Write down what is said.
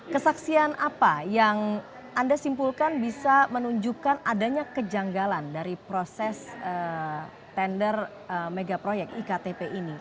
kesaksian apa yang anda simpulkan bisa menunjukkan adanya kejanggalan dari proses tender megaproyek iktp ini